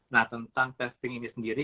nah tentang testing ini sendiri